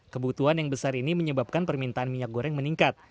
kebutuhan yang besar ini menyebabkan permintaan minyak goreng meningkat